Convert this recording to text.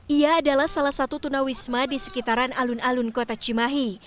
ia adalah salah satu tunawisma di sekitaran alun alun kota cimahi